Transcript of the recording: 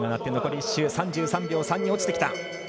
残り１周、３３秒３に落ちてきた。